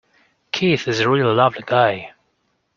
Keith is a really lovely guy.